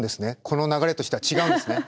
この流れとしては違うんですね。